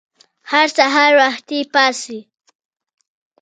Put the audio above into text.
هر سهار وختي پاڅئ!